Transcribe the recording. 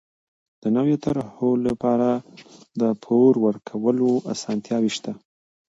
د نويو طرحو لپاره د پور ورکولو اسانتیاوې شته.